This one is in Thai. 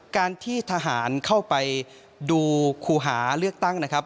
การที่ทหารเข้าไปดูคู่หาเลือกตั้งนะครับ